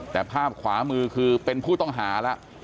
แต่ภาพขวามือคือเป็นผู้ต้องหาแล้ว